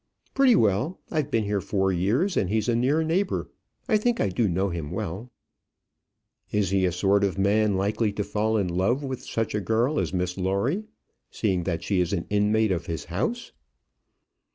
"Pretty well. I've been here four years; and he's a near neighbour. I think I do know him well." "Is he a sort of man likely to fall in love with such a girl as Miss Lawrie, seeing that she is an inmate of his house?"